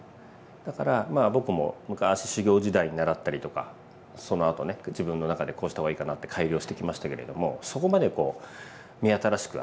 だから僕も昔修業時代習ったりとかそのあとね自分の中でこうした方がいいかなって改良してきましたけれどもそこまでこう目新しくはしてないんですけれども。